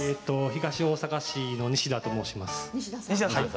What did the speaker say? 東大阪市のにしだと申します。